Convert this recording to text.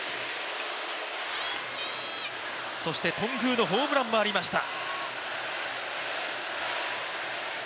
そして頓宮のホームランもありました。